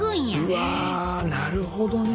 うわなるほどね！